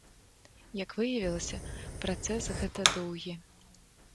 Як выявілася, працэс гэта доўгі.